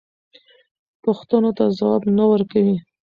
پوښتنو ته ځواب نه ورکوي.